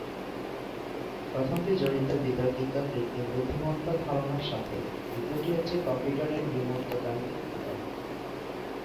প্রথমটি জড়িত বিতর্কিত কৃত্রিম বুদ্ধিমত্তা ধারণার সাথে, দ্বিতীয়টি হচ্ছে কম্পিউটারের বিমূর্ত গাণিতিক গঠন।